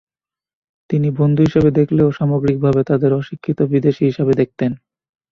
তিনি বন্ধু হিসেবে দেখলেও সামগ্রিকভাবে তাদের অশিক্ষিত বিদেশি হিসেবে দেখতেন।